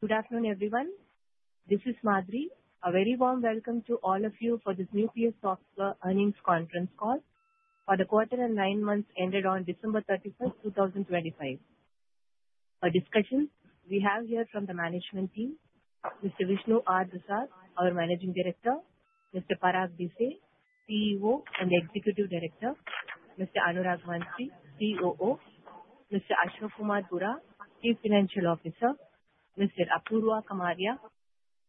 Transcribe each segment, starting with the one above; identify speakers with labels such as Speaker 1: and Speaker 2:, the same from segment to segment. Speaker 1: Good afternoon, everyone. This is Madri. A very warm welcome to all of you for this Nucleus Software Earnings Conference Call for the quarter and nine months ended on December 31, 2025. For discussion, we have here from the management team, Mr. Vishnu R. Dusad, our Managing Director, Mr. Parag Bhise, CEO and Executive Director, Mr. Anurag Mantri, COO, Mr. Ashok Kumar Bhura, Chief Financial Officer, Mr. Apurva Chamaria,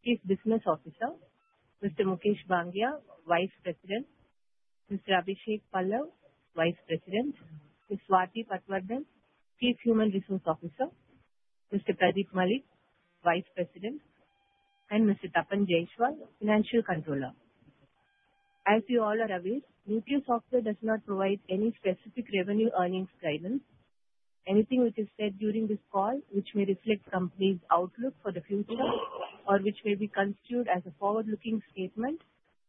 Speaker 1: Chief Business Officer, Mr. Mukesh Bangia, Vice President, Mr. Abhishek Pallav, Vice President, Ms. Swati Patwardhan, Chief Human Resource Officer, Mr. Pradeep Malik, Vice President, and Mr. Tapan Jayaswal, Financial Controller. As you all are aware, Nucleus Software does not provide any specific revenue earnings guidance. Anything which is said during this call, which may reflect company's outlook for the future, or which may be construed as a forward-looking statement,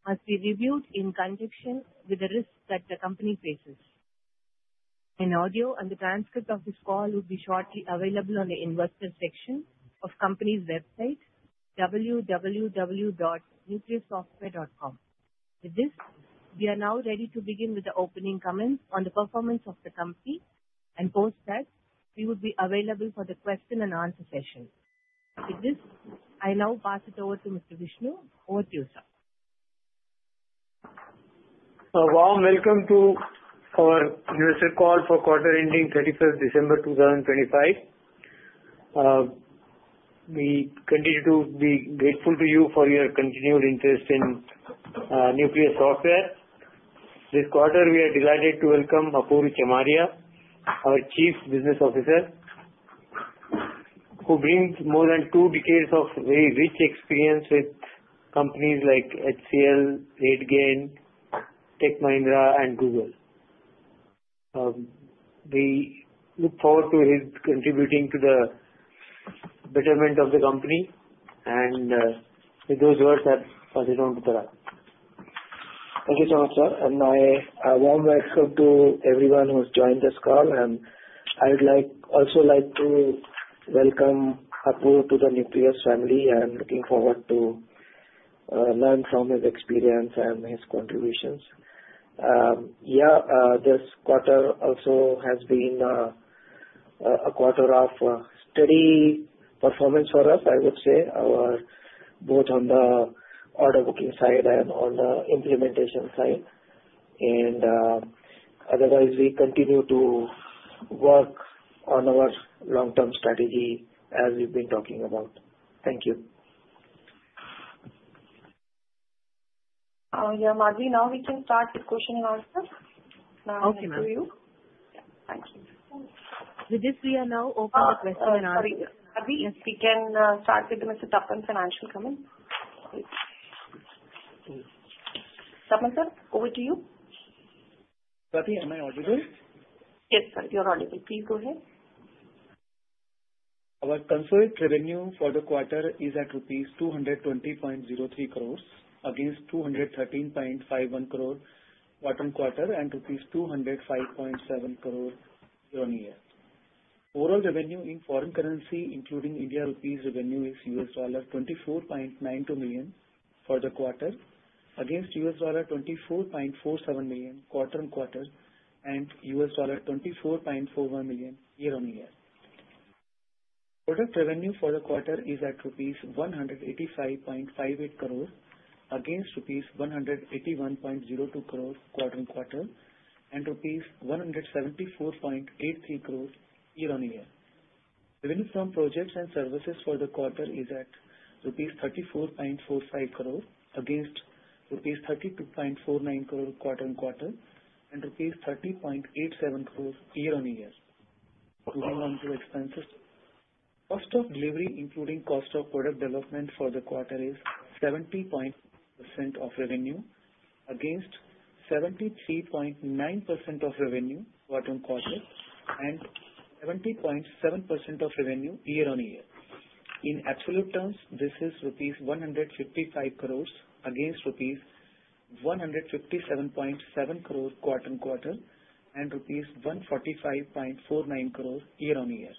Speaker 1: must be reviewed in conjunction with the risks that the company faces. An audio and the transcript of this call will be shortly available on the investor section of company's website, www.nucleussoftware.com. With this, we are now ready to begin with the opening comments on the performance of the company, and post that, we would be available for the question and answer session. With this, I now pass it over to Mr. Vishnu. Over to you, sir.
Speaker 2: A warm welcome to our investor call for quarter ending 31 December 2025. We continue to be grateful to you for your continued interest in Nucleus Software. This quarter we are delighted to welcome Apurva Chamaria, our Chief Business Officer, who brings more than two decades of very rich experience with companies like HCL, RateGain, Tech Mahindra and Google. We look forward to his contributing to the betterment of the company, and with those words, I pass it on to Parag.
Speaker 3: Thank you so much, sir, and a warm welcome to everyone who has joined this call, and I would also like to welcome Apurva to the Nucleus family and looking forward to learn from his experience and his contributions. Yeah, this quarter also has been a quarter of steady performance for us, I would say. Both on the order booking side and on the implementation side. Otherwise, we continue to work on our long-term strategy, as we've been talking about. Thank you.
Speaker 4: Yeah, Madri, now we can start the question and answer.
Speaker 1: Okay, ma'am.
Speaker 4: Now over to you. Yeah. Thank you.
Speaker 1: With this, we are now open for question and answer.
Speaker 4: Sorry, Madri.
Speaker 1: Yes.
Speaker 4: We can start with Mr. Tapan's financial comment. Please. Tapan, sir, over to you.
Speaker 5: Sorry, am I audible?
Speaker 4: Yes, sir, you're audible. Please go ahead.
Speaker 5: Our consolidated revenue for the quarter is at rupees 200.03 crore, against 213.51 crore quarter-on-quarter, and rupees 205.7 crore year-on-year. Overall revenue in foreign currency, including Indian rupees revenue, is $24.92 million for the quarter, against $24.47 million quarter-on-quarter, and $24.41 million year-on-year. Product revenue for the quarter is at rupees 185.58 crore, against rupees 181.02 crore quarter-on-quarter, and INR 174.83 crore year-on-year. Revenue from projects and services for the quarter is at rupees 34.45 crore, against rupees 32.49 crore quarter-on-quarter, and rupees 30.87 crore year-on-year. Expenses. Cost of delivery, including cost of product development for the quarter, is 70% of revenue against 73.9% of revenue, quarter-on-quarter, and 70.7% of revenue year-on-year. In absolute terms, this is rupees 155 crore, against rupees 157.7 crore quarter-on-quarter, and rupees 145.49 crore year-on-year.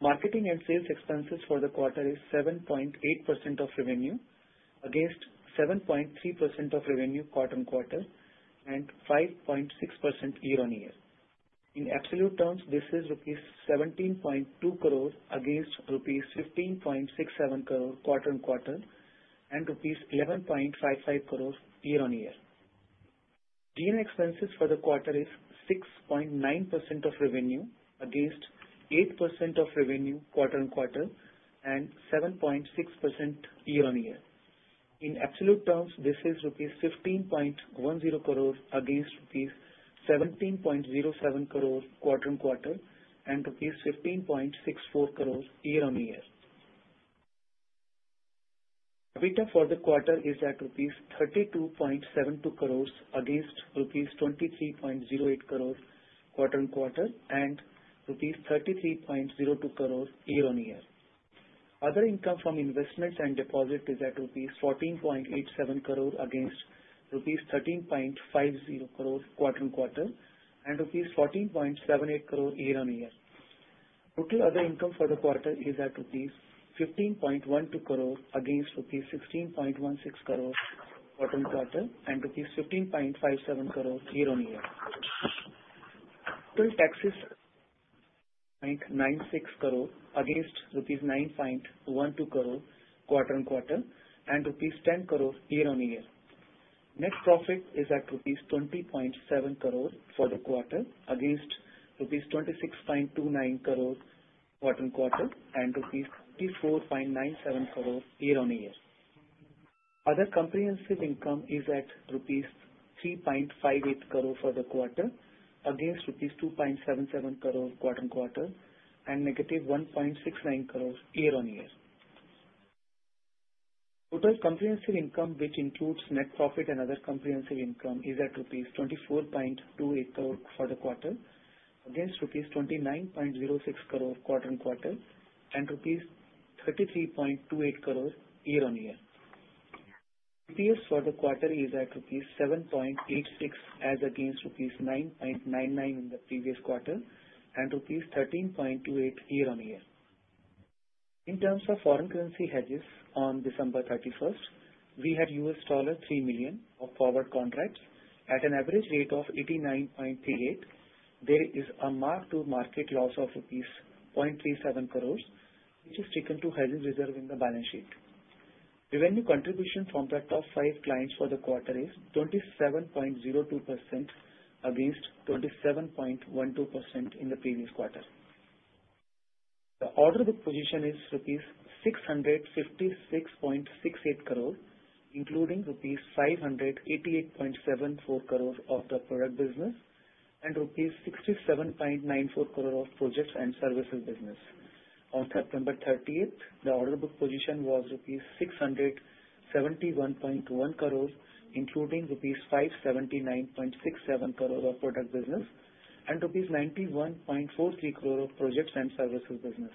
Speaker 5: Marketing and sales expenses for the quarter is 7.8% of revenue, against 7.3% of revenue quarter-on-quarter, and 5.6% year-on-year. In absolute terms, this is rupees 17.2 crore, against rupees 15.67 crore quarter-on-quarter, and rupees 11.55 crore year-on-year. G&A expenses for the quarter is 6.9% of revenue, against 8% of revenue quarter-on-quarter, and 7.6% year-on-year. In absolute terms, this is rupees 15.10 crore, against rupees 17.07 crore quarter-on-quarter, and rupees 15.64 crore year-on-year. EBITDA for the quarter is at rupees 32.72 crore, against rupees 23.08 crore quarter-on-quarter, and rupees 33.02 crore year-on-year....Other income from investments and deposits is at rupees 14.87 crore against rupees 13.50 crore quarter-on-quarter, and rupees 14.78 crore year-on-year. Total other income for the quarter is at rupees 15.12 crore, against rupees 16.16 crore quarter-on-quarter, and rupees 15.57 crore year-on-year. Total taxes, 9.96 crore against rupees 9.12 crore quarter-on-quarter and rupees 10 crore year-on-year. Net profit is at rupees 20.7 crore for the quarter, against rupees 26.29 crore quarter-on-quarter and rupees 24.97 crore year-on-year. Other comprehensive income is at rupees 3.58 crore for the quarter, against rupees 2.77 crore quarter-on-quarter and -1.69 crore year-on-year. Total comprehensive income, which includes net profit and other comprehensive income, is at rupees 24.28 crore for the quarter, against rupees 29.06 crore quarter-on-quarter and rupees 33.28 crore year-on-year. EPS for the quarter is at rupees 7.86, as against rupees 9.99 in the previous quarter and rupees 13.28 year-on-year. In terms of foreign currency hedges on December 31, we had $3 million of forward contracts at an average rate of 89.38. There is a mark to market loss of rupees 0.37 crore, which is taken to hedge reserve in the balance sheet. Revenue contribution from the top five clients for the quarter is 27.02%, against 27.12% in the previous quarter. The order book position is rupees 656.68 crore, including rupees 588.74 crores of the product business and rupees 67.94 crore of projects and services business. On September thirtieth, the order book position was rupees 671.1 crores, including rupees 579.67 crore of product business and rupees 91.43 crore of projects and services business.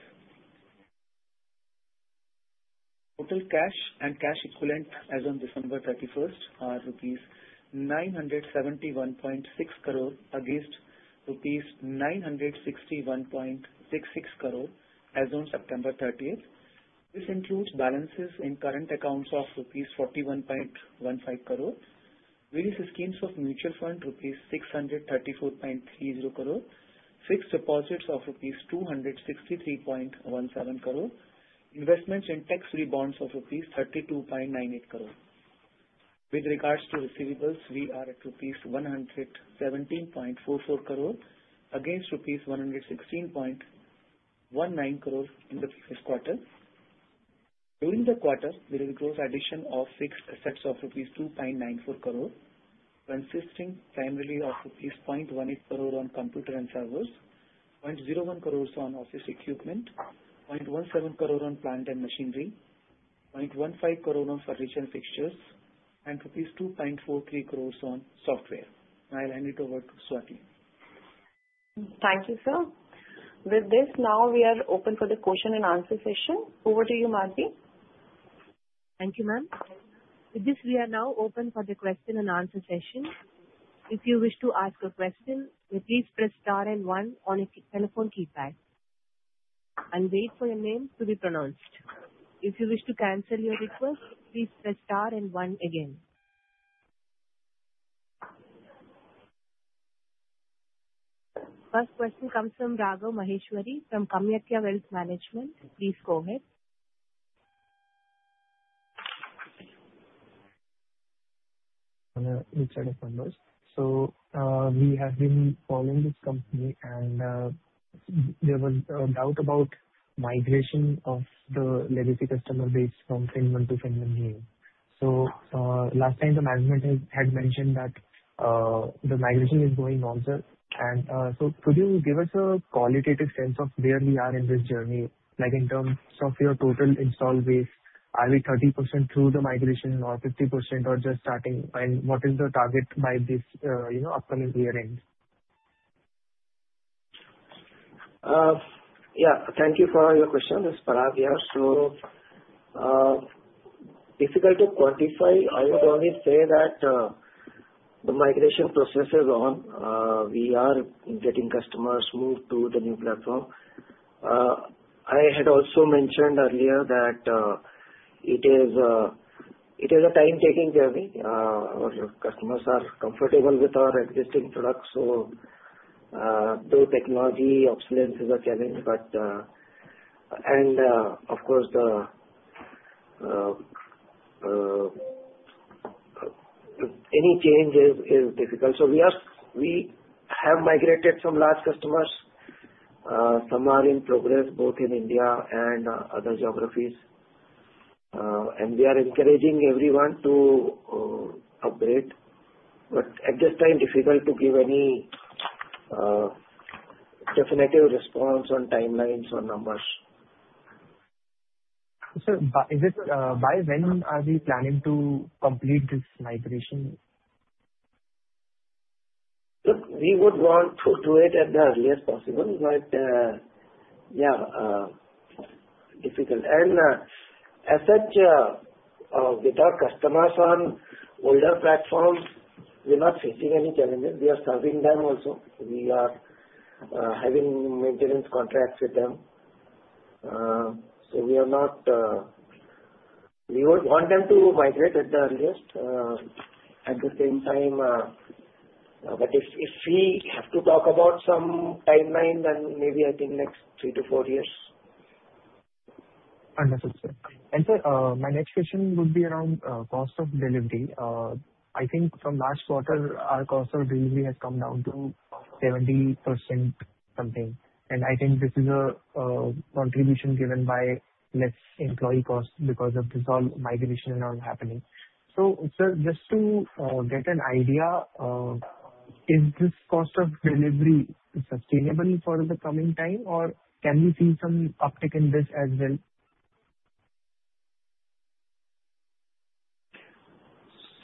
Speaker 5: Total cash and cash equivalent as on December thirty-first are rupees 971.6 crore, against rupees 961.66 crore as on September thirtieth. This includes balances in current accounts of rupees 41.15 crore. Various schemes of mutual fund, rupees 634.30 crore. Fixed deposits of rupees 263.17 crore. Investments in tax-free bonds of rupees 32.98 crore. With regards to receivables, we are at rupees 117.44 crore, against rupees 116.19 crores in the previous quarter. During the quarter, there is gross addition of fixed assets of rupees 2.94 crore, consisting primarily of rupees 0.18 crore on computer and servers, 0.01 crores on office equipment, 0.17 crore on plant and machinery, 0.15 crore on furniture and fixtures, and rupees 2.43 crores on software. I'll hand it over to Swati.
Speaker 4: Thank you, sir. With this, now we are open for the question and answer session. Over to you, Madri.
Speaker 1: Thank you, ma'am. With this, we are now open for the question and answer session. If you wish to ask a question, please press star and one on your key-telephone keypad and wait for your name to be pronounced. If you wish to cancel your request, please press star and one again. First question comes from Raghav Maheshwari, from Kanakia Wealth Management. Please go ahead.
Speaker 6: On a good set of numbers. So, we have been following this company, and there was a doubt about migration of the legacy customer base from FinnOne to FinnOne Neo. So, last time the management had mentioned that the migration is going well, sir. And so could you give us a qualitative sense of where we are in this journey, like in terms of your total installed base, are we 30% through the migration or 50%, or just starting? And what is the target by this, you know, upcoming year end?
Speaker 5: Yeah, thank you for your question. This is Parag here. So, difficult to quantify. I would only say that, the migration process is on. We are getting customers moved to the new platform. I had also mentioned earlier that, it is a, it is a time-taking journey. Our customers are comfortable with our existing products, so, though technology obsolescence is a challenge, but... And, of course, the, any change is, is difficult. So we are- we have migrated some large customers. Some are in progress, both in India and, other geographies. And we are encouraging everyone to, upgrade, but at this time, difficult to give any, definitive response on timelines or numbers.
Speaker 6: Sir, by when are we planning to complete this migration?...
Speaker 3: Look, we would want to do it at the earliest possible, but, yeah, difficult. As such, with our customers on older platforms, we are not facing any challenges. We are serving them also. We are having maintenance contracts with them. So we are not we would want them to migrate at the earliest, at the same time, but if we have to talk about some timeline, then maybe I think next 3-4 years.
Speaker 6: Understood, sir. And, sir, my next question would be around cost of delivery. I think from last quarter, our cost of delivery has come down to 70% something, and I think this is a contribution given by less employee cost because of this all migration and all happening. So, sir, just to get an idea, is this cost of delivery sustainable for the coming time, or can we see some uptick in this as well?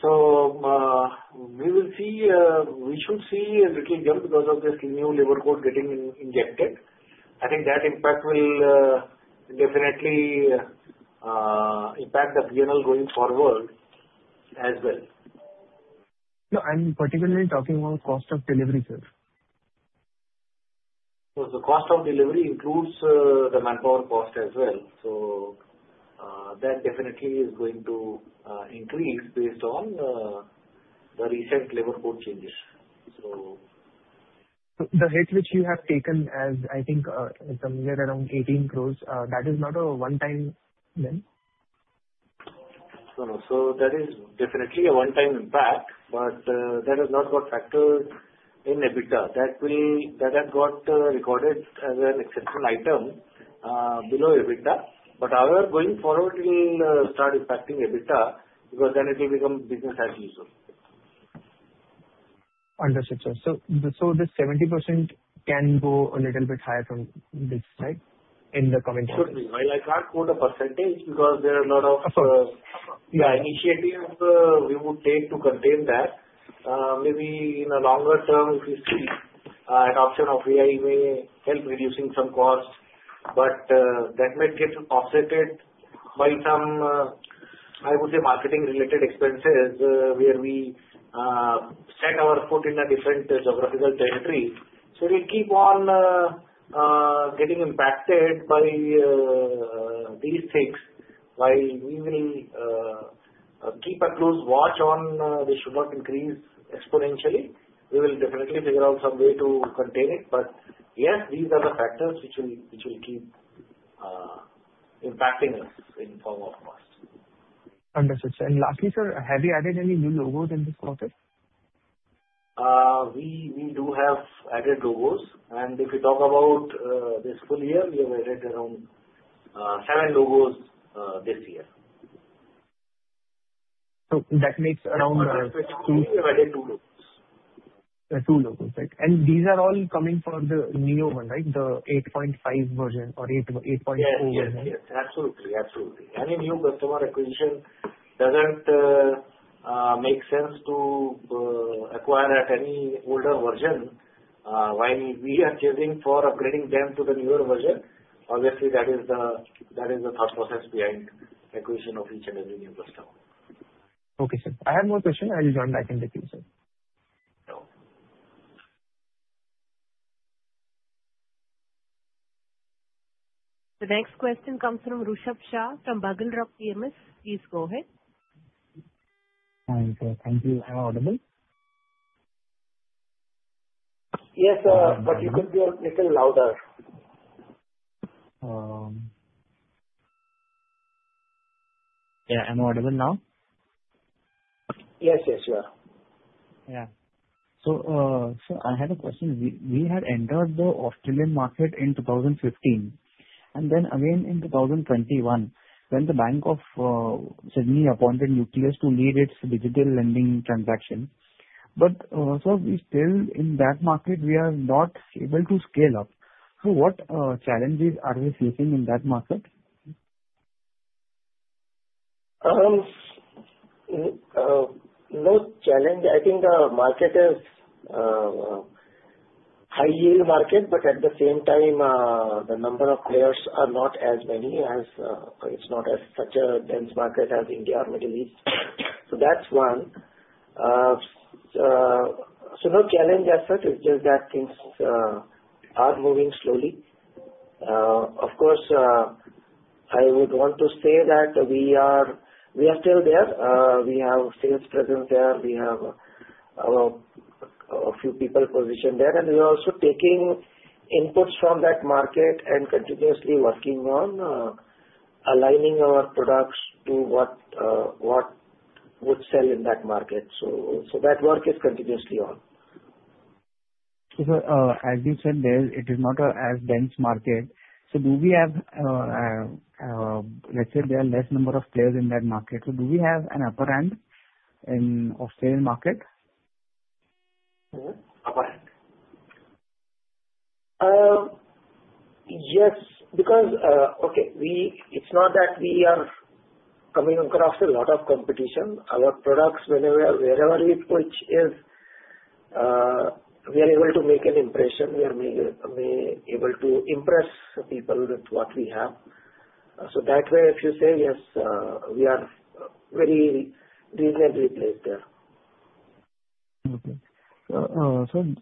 Speaker 3: So, we will see, we should see a little jump because of this new labor code getting injected. I think that impact will definitely impact the P&L going forward as well.
Speaker 6: No, I'm particularly talking about cost of delivery, sir.
Speaker 3: So the cost of delivery includes the manpower cost as well. So, that definitely is going to increase based on the recent labor code changes, so...
Speaker 6: The hit which you have taken, as I think, somewhere around 18 crore, that is not a one-time then?
Speaker 3: No, no. So that is definitely a one-time impact, but, that has not got factored in EBITDA. That has got recorded as an exceptional item below EBITDA, but however, going forward, it will start impacting EBITDA because then it will become business as usual.
Speaker 6: Understood, sir. So, so this 70% can go a little bit higher from this side in the coming quarter?
Speaker 3: Should be. Well, I can't quote a percentage because there are a lot of-
Speaker 6: Of course.
Speaker 3: Yeah, initiatives we would take to contain that. Maybe in the longer term, if you see, adoption of AI may help reducing some costs, but that might get offset by some, I would say, marketing-related expenses, where we set foot in a different geographical territory. So we keep on getting impacted by these things. While we will keep a close watch on, they should not increase exponentially. We will definitely figure out some way to contain it. But yes, these are the factors which will keep impacting us in form of cost.
Speaker 6: Understood, sir. Lastly, sir, have you added any new logos in this quarter?
Speaker 3: We do have added logos, and if you talk about this full year, we have added around seven logos this year.
Speaker 6: So that makes around, two-
Speaker 3: We have added two logos.
Speaker 6: Two logos, right? And these are all coming from the new one, right, the 8.5 version or 8, 8.2 version?
Speaker 3: Yes, yes, yes, absolutely. Absolutely. Any new customer acquisition doesn't make sense to acquire at any older version. While we are chasing for upgrading them to the newer version, obviously, that is the, that is the thought process behind acquisition of each and every new customer.
Speaker 6: Okay, sir. I have no question. I will join back in the queue, sir.
Speaker 3: Sure.
Speaker 1: The next question comes from Rushabh Shah from Buglerock Capital. Please go ahead.
Speaker 7: Hi, sir. Thank you. Am I audible?
Speaker 3: Yes, but you could be a little louder.
Speaker 7: Yeah, am I audible now?
Speaker 3: Yes, yes, you are.
Speaker 7: Yeah. So, so I had a question. We, we had entered the Australian market in 2015, and then again in 2021, when the Bank of Sydney appointed Nucleus to lead its digital lending transaction. But, so we still in that market, we are not able to scale up. So what, challenges are we facing in that market?
Speaker 3: No challenge. I think the market is high yield market, but at the same time, the number of players are not as many as... It's not as such a dense market as India or Middle East. So that's one. So no challenge as such, it's just that things are moving slowly. Of course, I would want to say that we are, we are still there. We have sales presence there. We have a few people positioned there, and we are also taking inputs from that market and continuously working on aligning our products to what what would sell in that market. So, so that work is continuously on.
Speaker 7: Sir, as you said, there it is not as dense a market. Do we have, let's say there are less number of players in that market, so do we have an upper hand in Australian market?
Speaker 3: Hmm, upper hand? Yes, because, okay, it's not that we are coming across a lot of competition. Our products, whenever, wherever it, which is, we are able to make an impression, we are able to impress people with what we have. So that way, if you say yes, we are very decently placed there.
Speaker 7: Okay. So,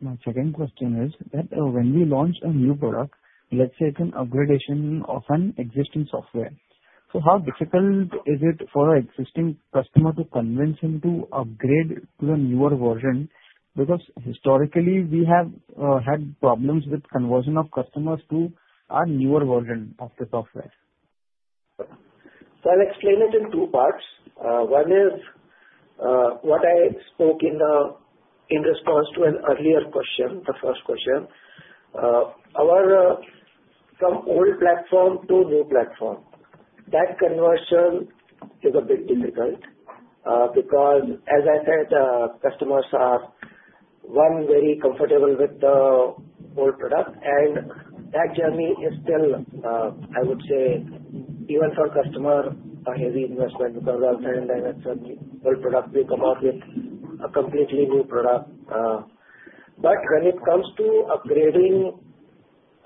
Speaker 7: my second question is that, when we launch a new product, let's say it's an upgradation of an existing software. So how difficult is it for our existing customer to convince him to upgrade to the newer version? Because historically, we have had problems with conversion of customers to a newer version of the software.
Speaker 3: So I'll explain it in two parts. One is, what I spoke in the, in response to an earlier question, the first question. Our, from old platform to new platform, that conversion is a bit difficult, because as I said, customers are, one, very comfortable with the old product, and that journey is still, I would say even for customer, a heavy investment, because outside and inside that certain old product, we come out with a completely new product. But when it comes to upgrading,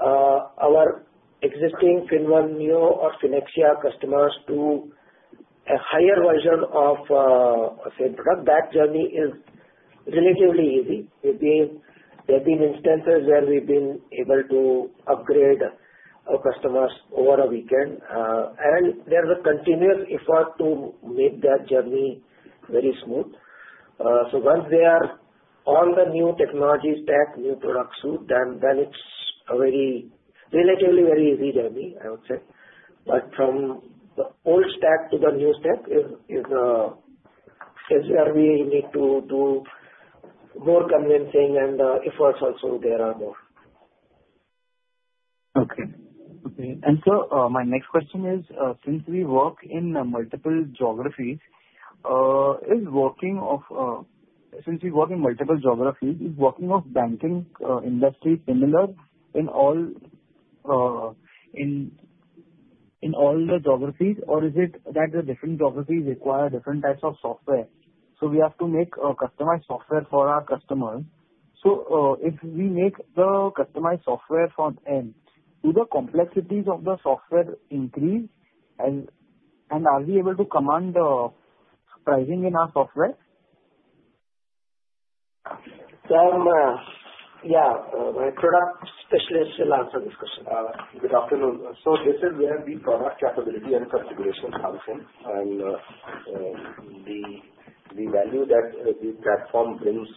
Speaker 3: our existing FinnOne Neo or FinnAxia customers to a higher version of, a same product, that journey is relatively easy. There've been, there have been instances where we've been able to upgrade our customers over a weekend, and there's a continuous effort to make that journey very smooth. So once they are on the new technology stack, new product suite, then it's a very relatively very easy journey, I would say. But from the old stack to the new stack is where we need to do more convincing and efforts also there are more.
Speaker 7: Okay. Okay, and so, my next question is, since we work in multiple geographies, is working of banking industry similar in all, in all the geographies? Or is it that the different geographies require different types of software, so we have to make a customized software for our customers? So, if we make the customized software from end, do the complexities of the software increase, and are we able to command pricing in our software?
Speaker 3: Yeah, my product specialist will answer this question.
Speaker 8: Good afternoon. So this is where the product capability and configuration comes in. The value that the platform brings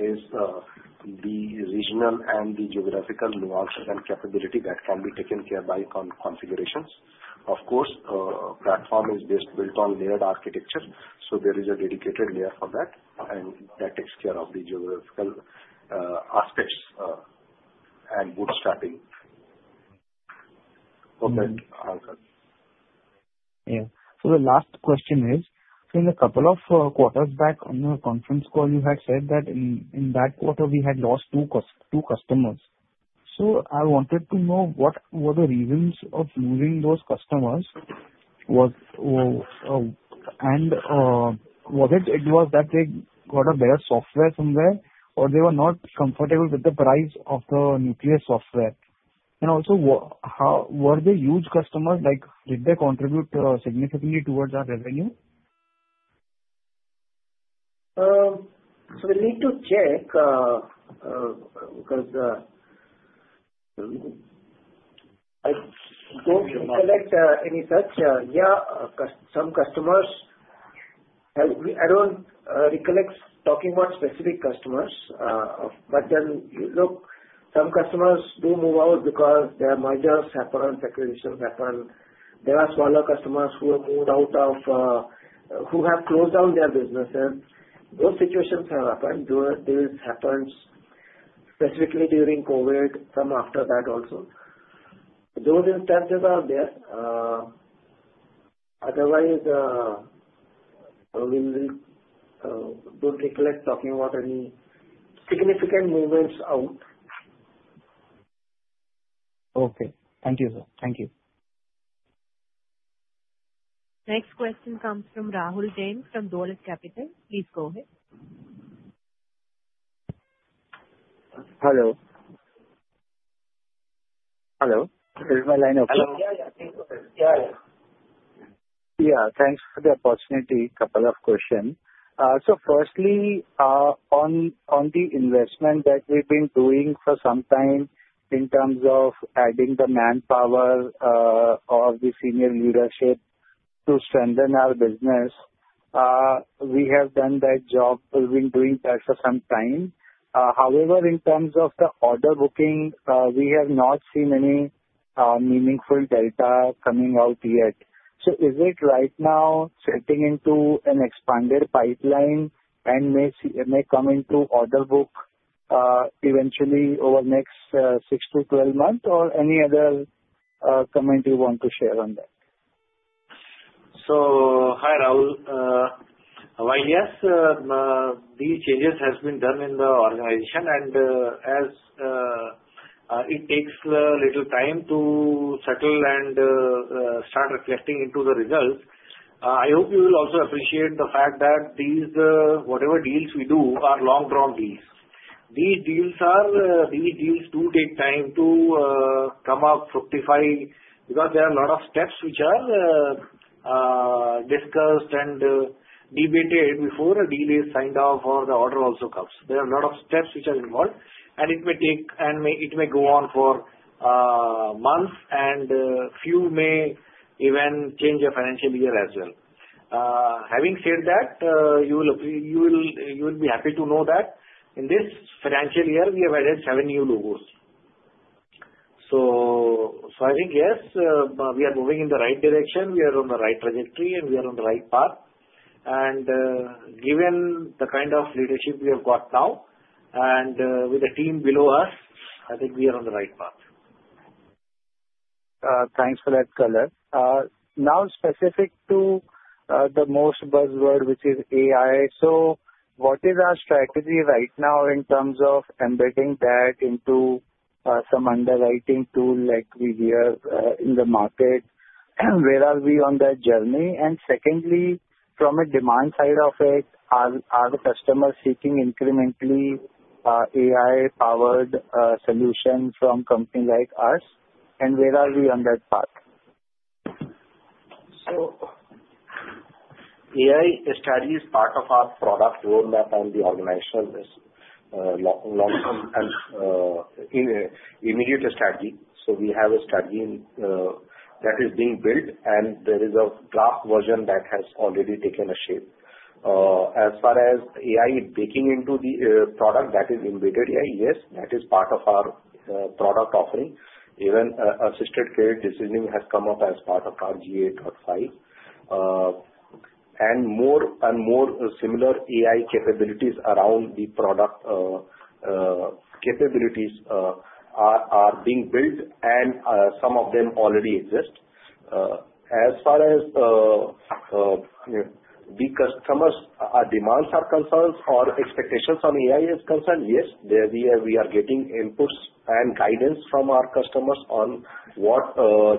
Speaker 8: is the regional and the geographical nuances and capability that can be taken care of by configurations. Of course, platform is based, built on layered architecture, so there is a dedicated layer for that, and that takes care of the geographical aspects and bootstrapping of that also.
Speaker 7: Yeah. So the last question is, in a couple of quarters back on your conference call, you had said that in that quarter, we had lost two customers. So I wanted to know what were the reasons of losing those customers was. And was it that they got a better software from there, or they were not comfortable with the price of the Nucleus Software? And also, how were they huge customers, like, did they contribute significantly towards our revenue?
Speaker 3: So we need to check, because I don't recollect any such. Yeah, some customers have. I don't recollect talking about specific customers. But then, look, some customers do move out because their mergers happen, acquisitions happen. There are smaller customers who have moved out, who have closed down their businesses. Those situations have happened. This happens specifically during COVID, some after that also. Those instances are there. Otherwise, we don't recollect talking about any significant movements out.
Speaker 7: Okay. Thank you, sir. Thank you.
Speaker 1: Next question comes from Rahul Jain, from Dolat Capital. Please go ahead.
Speaker 9: Hello? Hello, is my line open?
Speaker 3: Hello. Yeah, yeah.
Speaker 9: Yeah, thanks for the opportunity. Couple of questions. So firstly, on, on the investment that we've been doing for some time in terms of adding the manpower, or the senior leadership to strengthen our business, we have done that job. We've been doing that for some time. However, in terms of the order booking, we have not seen any, meaningful data coming out yet. So is it right now setting into an expanded pipeline and may see, may come into order book, eventually over the next, 6-12 months or any other, comment you want to share on that? ...
Speaker 8: So hi, Rahul. Why, yes, these changes has been done in the organization, and, as, it takes a little time to settle and, start reflecting into the results. I hope you will also appreciate the fact that these, whatever deals we do are long-drawn deals. These deals are, these deals do take time to, come up fructify, because there are a lot of steps which are, discussed and, debated before a deal is signed off or the order also comes. There are a lot of steps which are involved, and it may take and it may go on for, months, and, few may even change a financial year as well. Having said that, you will, you will be happy to know that in this financial year, we have added seven new logos. So, so I think, yes, we are moving in the right direction, we are on the right trajectory, and we are on the right path. And, given the kind of leadership we have got now and, with the team below us, I think we are on the right path.
Speaker 9: Thanks for that color. Now specific to the most buzzword, which is AI. So what is our strategy right now in terms of embedding that into some underwriting tool like we hear in the market? And where are we on that journey? And secondly, from a demand side of it, are the customers seeking incrementally AI-powered solutions from companies like us, and where are we on that path?
Speaker 8: So AI strategy is part of our product roadmap, and the organization is long-term. In immediate strategy, so we have a strategy that is being built, and there is a draft version that has already taken a shape. As far as AI baking into the product that is embedded AI, yes, that is part of our product offering. Even assisted credit decisioning has come up as part of our GA 8.5. And more and more similar AI capabilities around the product capabilities are being built, and some of them already exist. As far as the customers' demands are concerned or expectations on AI is concerned, yes, we are getting inputs and guidance from our customers on what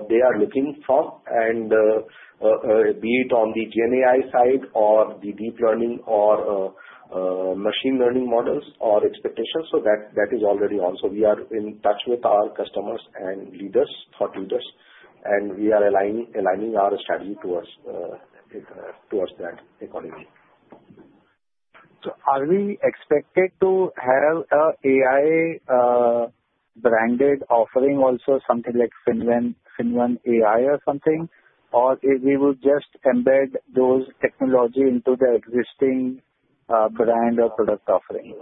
Speaker 8: they are looking for. Be it on the GenAI side or the deep learning or machine learning models or expectations. So that is already on. So we are in touch with our customers and leaders, thought leaders, and we are aligning our strategy towards that accordingly.
Speaker 9: So are we expected to have a AI branded offering also something like FinnOne, FinnOne AI or something? Or we will just embed those technology into the existing brand or product offering?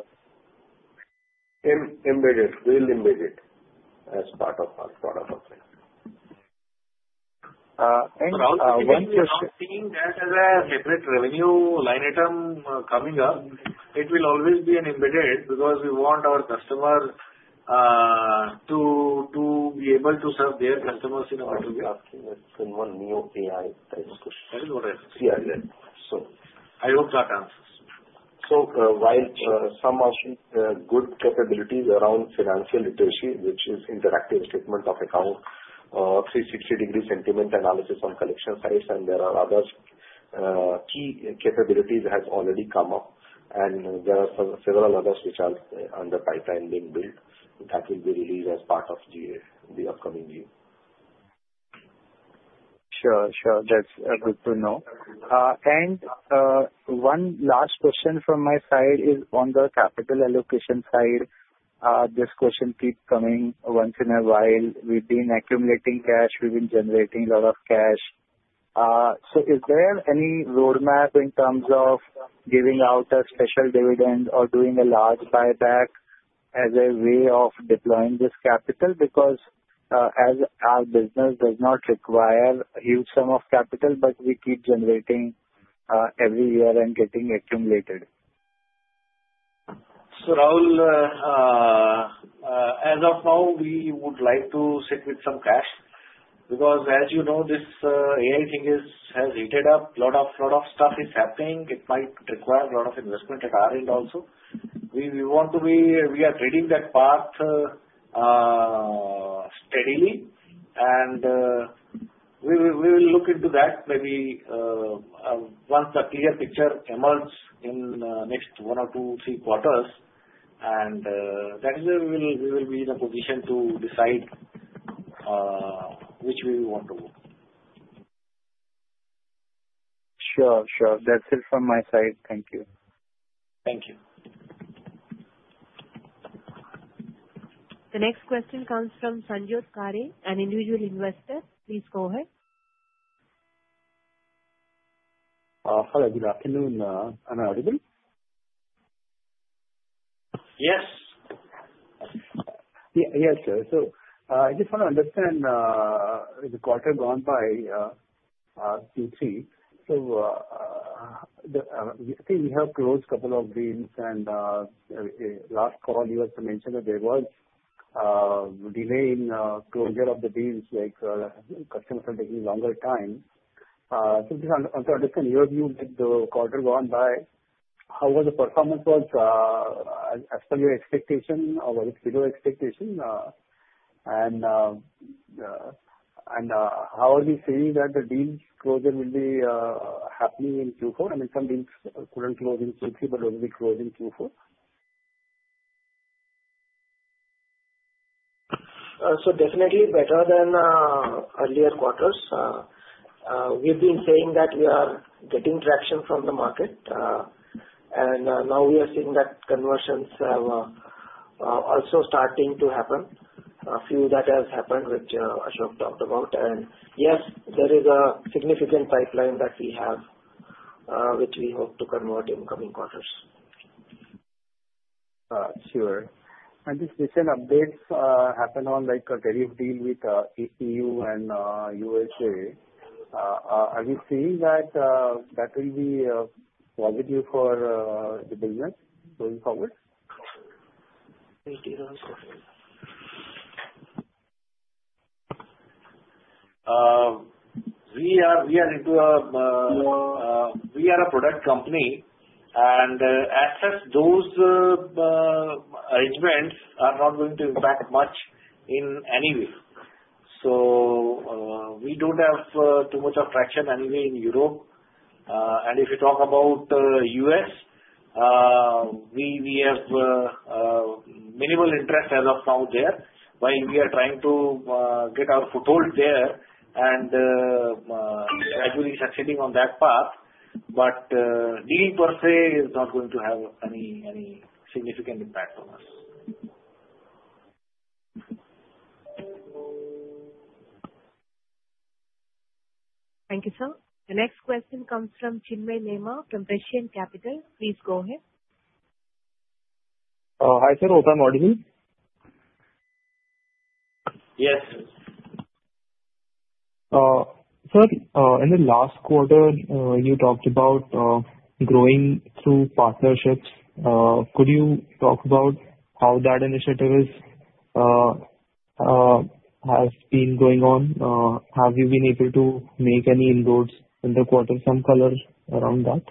Speaker 8: Embedded. We'll embed it as part of our product offering.
Speaker 9: One question- We are not seeing that as a separate revenue line item coming up. It will always be an embedded, because we want our customers to be able to serve their customers in order to be asking FinnOne Neo AI type of question. That is what I see. So I hope that answers. So, while some are good capabilities around financial literacy, which is interactive statement of account, 360-degree sentiment analysis on collection size, and there are other key capabilities has already come up, and there are several others which are on the pipeline being built. That will be released as part of GA in the upcoming year. Sure, sure. That's good to know. And one last question from my side is on the capital allocation side. This question keeps coming once in a while. We've been accumulating cash. We've been generating a lot of cash. So is there any roadmap in terms of giving out a special dividend or doing a large buyback as a way of deploying this capital? Because, as our business does not require a huge sum of capital, but we keep generating, every year and getting accumulated. So Rahul, as of now, we would like to sit with some cash because as you know, this AI thing has heated up. A lot of stuff is happening. It might require a lot of investment at our end also. We want to be... We are treading that path steadily, and we will look into that maybe once a clear picture emerges in next one or two, three quarters. And that is where we will be in a position to decide which way we want to go. Sure. Sure. That's it from my side. Thank you.
Speaker 8: Thank you.
Speaker 1: The next question comes from Sanjot Kari, an individual investor. Please go ahead.
Speaker 10: Hello, good afternoon. Am I audible?
Speaker 8: Yes.
Speaker 10: Yeah. Yes, sir. So, I just want to understand the quarter gone by, Q3....
Speaker 6: I think we have closed couple of deals and, last call you also mentioned that there was delay in closure of the deals, like, customers are taking longer time. So just in your view, with the quarter gone by, how was the performance, as per your expectation or was it below expectation? And how are you seeing that the deals closure will be happening in Q4? I mean, some deals couldn't close in Q3, but will be closed in Q4.
Speaker 3: So definitely better than earlier quarters. We've been saying that we are getting traction from the market. And now we are seeing that conversions have also starting to happen. A few that has happened, which Ashok talked about. And yes, there is a significant pipeline that we have, which we hope to convert in coming quarters.
Speaker 6: Sure. And this recent updates happened on, like, a tariff deal with EU and USA. Are you seeing that that will be positive for the business going forward?
Speaker 3: We are a product company and, as such, those arrangements are not going to impact much in any way. So, we don't have too much of traction anyway in Europe. And if you talk about U.S., we have minimal interest as of now there, while we are trying to get our foothold there and gradually succeeding on that path. But deal per se is not going to have any significant impact on us.
Speaker 1: Thank you, sir. The next question comes from Chinmay Nema, from Prescient Capital. Please go ahead.
Speaker 11: Hi, sir. Otam Audhi.
Speaker 3: Yes.
Speaker 11: Sir, in the last quarter, you talked about growing through partnerships. Could you talk about how that initiative is, has been going on? Have you been able to make any inroads in the quarter? Some color around that.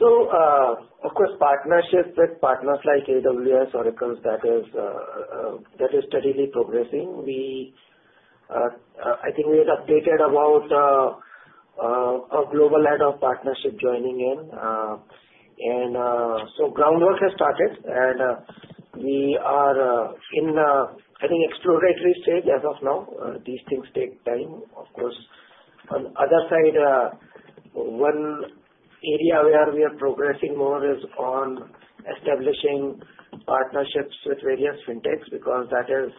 Speaker 3: Of course, partnerships with partners like AWS, Oracle, that is steadily progressing. I think we had updated about a global head of partnership joining in. And so groundwork has started, and we are in, I think, exploratory stage as of now. These things take time, of course. On other side, one area where we are progressing more is on establishing partnerships with various fintechs, because that is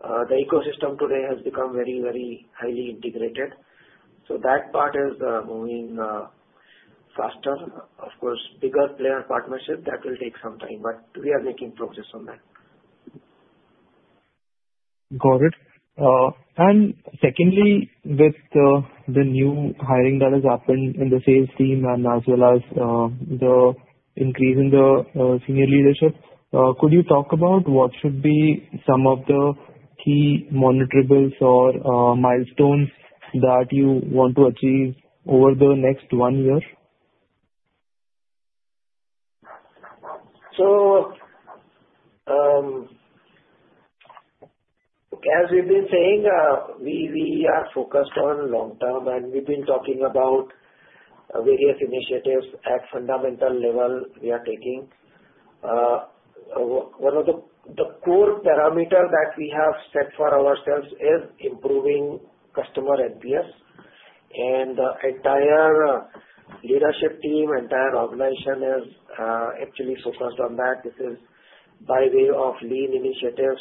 Speaker 3: the ecosystem today has become very, very highly integrated. So that part is moving faster. Of course, bigger player partnership, that will take some time, but we are making progress on that.
Speaker 11: Got it. And secondly, with the new hiring that has happened in the sales team and as well as the increase in the senior leadership, could you talk about what should be some of the key monetizable or milestones that you want to achieve over the next one year?
Speaker 3: So, as we've been saying, we are focused on long-term, and we've been talking about various initiatives at fundamental level we are taking. One of the core parameter that we have set for ourselves is improving customer NPS. And the entire leadership team, entire organization is actually focused on that. This is by way of lean initiatives.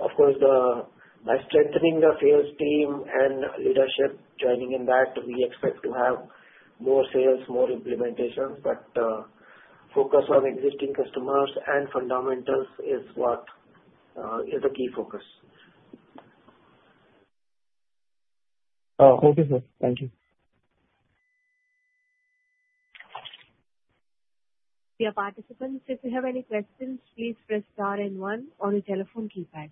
Speaker 3: Of course, by strengthening the sales team and leadership joining in that, we expect to have more sales, more implementations, but focus on existing customers and fundamentals is what is the key focus.
Speaker 11: Okay, sir. Thank you.
Speaker 1: Dear participants, if you have any questions, please press star and one on your telephone keypad.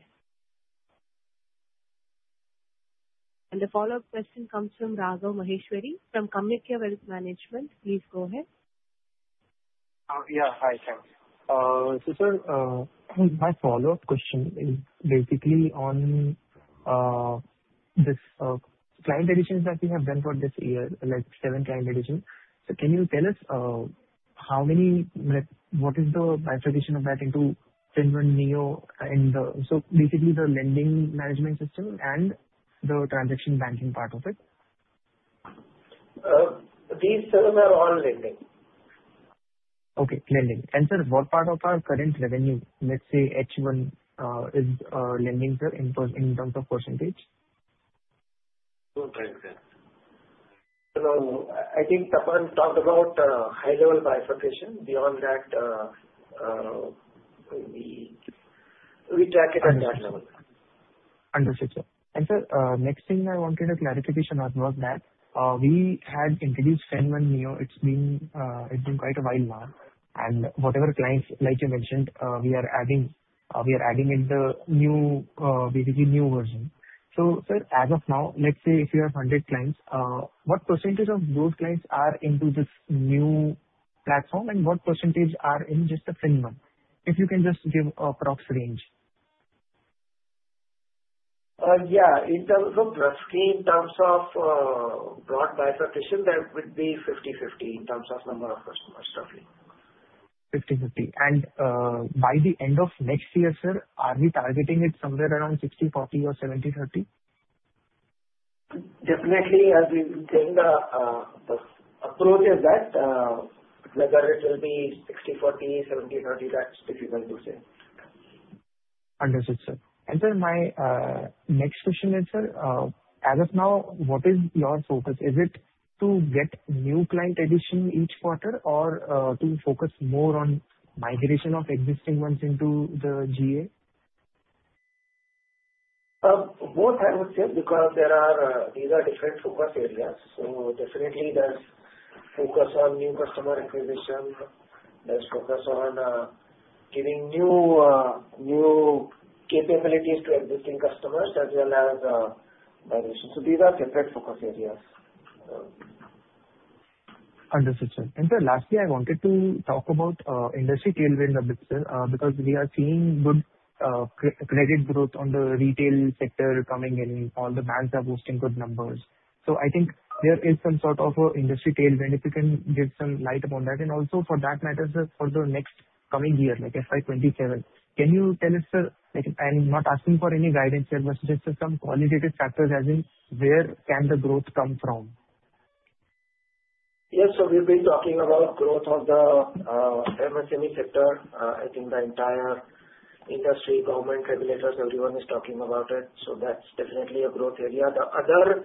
Speaker 1: The follow-up question comes from Raghav Maheshwari, from Kanakia Wealth Management. Please go ahead.
Speaker 6: Yeah. Hi, sir. So, sir, my follow-up question is basically on this client additions that you have done for this year, like 7 client addition. So can you tell us how many, like, what is the bifurcation of that into FinnOne Neo and... So basically the lending management system and the transaction banking part of it?
Speaker 3: These seven are all lending.
Speaker 6: Okay, lending. And sir, what part of our current revenue, let's say H1, is lending, sir, in terms of percentage?
Speaker 3: Total bank, sir. So, I think Tapan talked about high level bifurcation. Beyond that, we track it at that level.
Speaker 6: Understood, sir. Sir, next thing I wanted a clarification on was that, we had introduced FinnOne Neo. It's been, it's been quite a while now, and whatever clients, like you mentioned, we are adding, we are adding in the new, basically new version. So sir, as of now, let's say if you have 100 clients, what percentage of those clients are into this new platform? And what percentage are in just the FinnOne? If you can just give an approx range.
Speaker 3: Yeah, in terms of broad bifurcation, that would be 50/50 in terms of number of customers, roughly.
Speaker 6: 50/50. By the end of next year, sir, are we targeting it somewhere around 60/40 or 70/30?
Speaker 3: Definitely, as we've taken the approach, is that whether it will be 60/40, 70/30, that's difficult to say.
Speaker 6: Understood, sir. Sir, my next question is, sir, as of now, what is your focus? Is it to get new client addition each quarter or to focus more on migration of existing ones into the GA?
Speaker 3: Both are okay, because there are these are different focus areas. So definitely there's focus on new customer acquisition, there's focus on giving new capabilities to existing customers, as well as migration. So these are separate focus areas.
Speaker 6: Understood, sir. Sir, lastly, I wanted to talk about industry tailwind a bit, sir, because we are seeing good credit growth on the retail sector coming in, all the banks are boasting good numbers. So I think there is some sort of a industry tailwind. If you can give some light upon that, and also for that matter, sir, for the next coming year, like FY 2027. Can you tell us, sir, like I'm not asking for any guidance here, but just some qualitative factors, as in where can the growth come from?
Speaker 3: Yes. So we've been talking about growth of the MSME sector. I think the entire industry, government, regulators, everyone is talking about it, so that's definitely a growth area. The other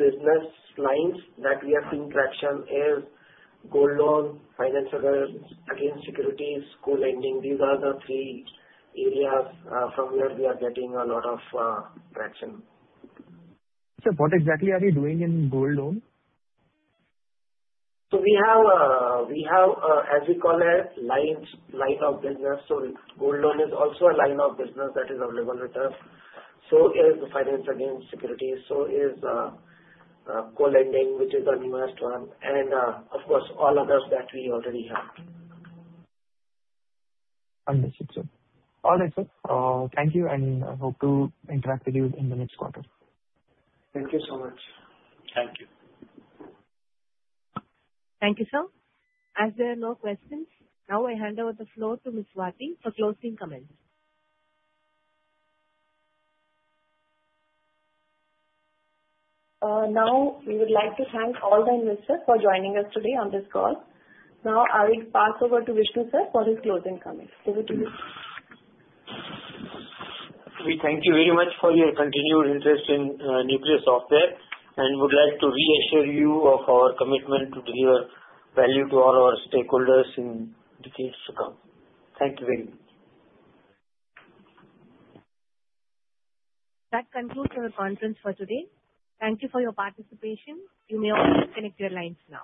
Speaker 3: business lines that we are seeing traction is gold loan, finance against securities, co-lending. These are the three areas from where we are getting a lot of traction.
Speaker 6: Sir, what exactly are you doing in gold loan?
Speaker 3: So we have, as we call it, line of business. So gold loan is also a line of business that is available with us. So is the finance against securities, so is co-lending, which is our newest one, and of course, all others that we already have.
Speaker 6: Understood, sir. All right, sir. Thank you, and I hope to interact with you in the next quarter.
Speaker 3: Thank you so much. Thank you.
Speaker 1: Thank you, sir. As there are no questions, now I hand over the floor to Miss Swati for closing comments.
Speaker 12: Now we would like to thank all the investors for joining us today on this call. Now I will pass over to Vishnu, sir, for his closing comments. Over to you.
Speaker 3: We thank you very much for your continued interest in Nucleus Software, and would like to reassure you of our commitment to deliver value to all our stakeholders in decades to come. Thank you very much.
Speaker 1: That concludes our conference for today. Thank you for your participation. You may all disconnect your lines now.